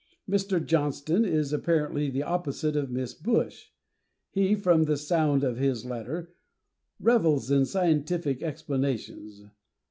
Mr. Johnston is apparently the opposite of Miss Bush. He, from the "sound" of his letter, revels in scientific explanations.